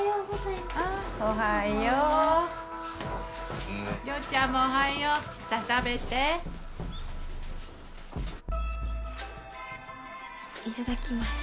いただきます。